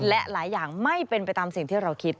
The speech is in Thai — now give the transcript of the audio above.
และหลายอย่างไม่เป็นไปตามสิ่งที่เราคิด